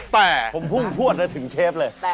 แต่ผมพูดจนถึงเชฟเลย